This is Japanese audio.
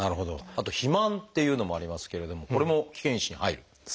あと肥満っていうのもありますけれどもこれも危険因子に入る？